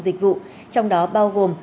dịch vụ trong đó bao gồm